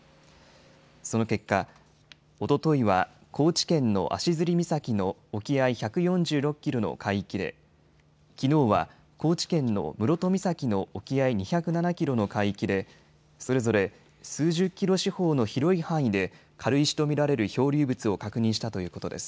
その結果、おとといは高知県の足摺岬の沖合１４６キロの海域で、きのうは高知県の室戸岬の沖合２０７キロの海域でそれぞれ数十キロ四方の広い範囲で軽石と見られる漂流物を確認したということです。